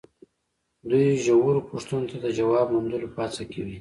دوی ژورو پوښتنو ته د ځواب موندلو په هڅه کې وي.